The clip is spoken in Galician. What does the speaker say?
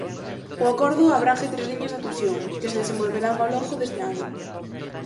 O acordo abrangue tres liñas de actuación, que se desenvolverán ao longo deste ano.